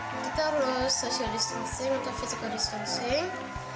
kita harus social distancing atau physical distancing